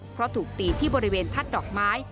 เพราะถูกตีที่บริเวณทัศน์ดอกไม้